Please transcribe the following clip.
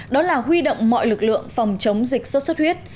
đó là huy động mọi lực lượng phòng chống dịch sốt xuất huyết